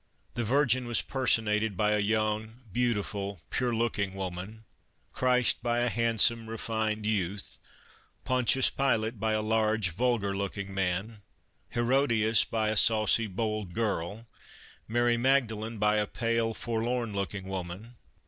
The Virgin was personated by a young, beautiful, pure looking woman; Christ by a handsome, re fined youth ; Pontius Pilate by a large, vulgar looking man ; Herodias by a saucy, bold girl ; Mary Magda lene by a pale, forlorn looking woman.